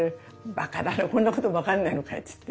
「バカだなこんなことも分かんないのかい」っつって。